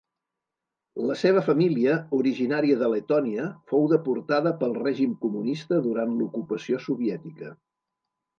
La seva família, originària de Letònia, fou deportada pel règim comunista durant l'ocupació soviètica.